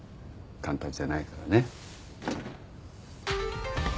簡単じゃないからね。